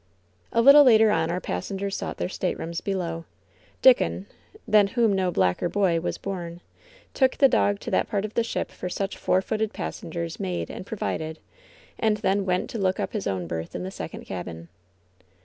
A little later on our passengers sought their staterooms below. Dickon — ^than whom no blacker boy ever was bom — took the dog to that part of the ship for such four footed passengers made and provided, and then went to look up his own berth in the second cabin.